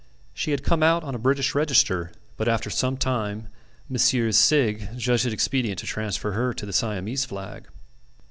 She had come out on a British register, but after some time Messrs. Sigg judged it expedient to transfer her to the Siamese flag.